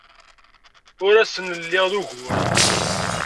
Ur asen-lliɣ d ugur.